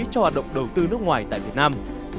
cho hoạt động đầu tư nước ngoài tại việt nam